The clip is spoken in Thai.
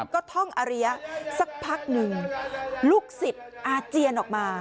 ก็ท่องอริยะสักพักหนึ่งลูกศิษย์อาเจียนออกมา